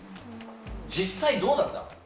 実際どうだった？